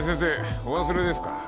お忘れですか？